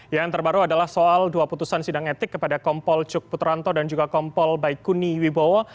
yang terbaru adalah soal dua putusan sidang etik kepada kompol cuk putranto dan juga kompol baikuni wibowo